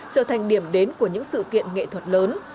trở thành điểm đến của những sự kiện nghệ thuật lớn